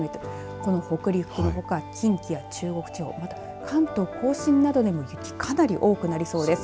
この北陸のほか近畿や中国地方また関東甲信などでも雪かなり多くなりそうです。